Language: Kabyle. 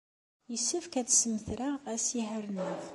Yessefk ad semmtreɣ asihaṛ-nneɣ.